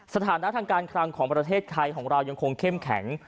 สถานะทางการคลังของประเทศไทยของเรายังคงเข้มแข็ง